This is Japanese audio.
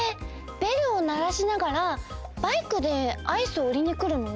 ベルをならしながらバイクでアイスをうりにくるの？